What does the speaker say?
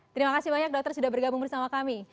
terima kasih banyak dokter sudah bergabung bersama kami